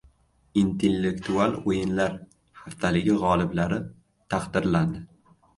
“Intellektual o‘yinlar” haftaligi g‘oliblari taqdirlandi